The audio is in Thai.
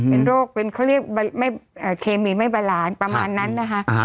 เป็นโรคเคมีไม่บารานซ์ประมาณนั้นนะฮะ